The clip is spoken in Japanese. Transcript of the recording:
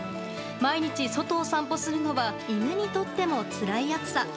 毎日、外を散歩するのは犬にとってもつらい暑さ。